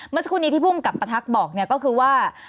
เมื่อสักครู่นี้ที่ภูมิกับประทักษ์บอกก็คือว่า